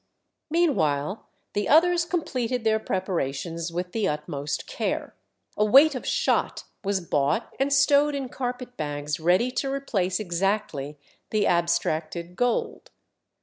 Meanwhile the others completed their preparations with the utmost care. A weight of shot was bought and stowed in carpet bags ready to replace exactly the abstracted gold.